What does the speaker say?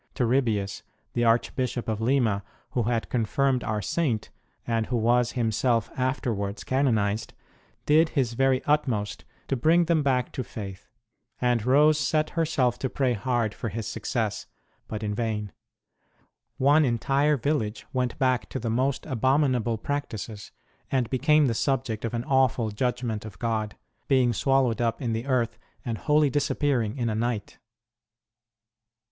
Turibius, the Archbishop of Lima, who had confirmed our Saint, and who was himself afterwards canonized, did his very utmost to bring them back to faith, and Rose set herself to pray hard for his success, but in vain. One entire village went back to the most abomin able practices, and became the subject of an awful judgment of God, being swallowed up in the earth, and wholly disappearing in a night.